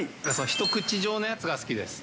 一口状のやつが好きです。